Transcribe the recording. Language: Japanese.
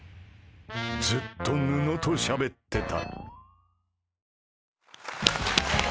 ずっと布としゃべってた。